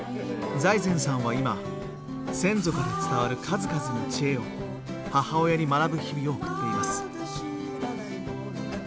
財前さんは今先祖から伝わる数々の知恵を母親に学ぶ日々を送っています。